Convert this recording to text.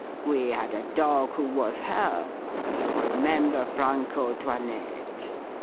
We had a dog who was hurt you remember Franco, 'Toinette?